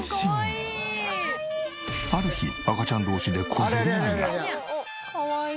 ある日赤ちゃん同士で小競り合いが。